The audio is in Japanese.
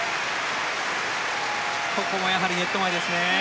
ここもやはりネット前ですね。